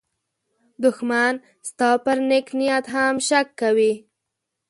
دښمن ستا پر نېک نیت هم شک کوي